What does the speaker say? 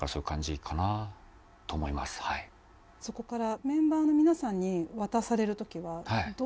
そこから。